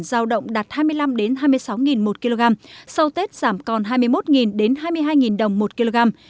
giao động đạt hai mươi năm hai mươi sáu đồng một kg sau tết giảm còn hai mươi một hai mươi hai đồng một kg